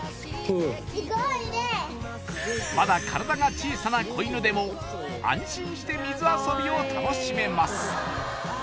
すごいねまだ体が小さな子犬でも安心して水遊びを楽しめます